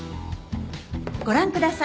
ご覧ください。